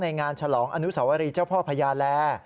งานฉลองอนุสวรีเจ้าพ่อพญาแล